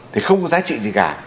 thì không có giá trị gì cả